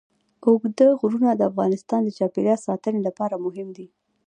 اوږده غرونه د افغانستان د چاپیریال ساتنې لپاره مهم دي.